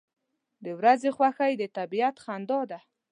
• د ورځې خوښي د طبیعت خندا ده.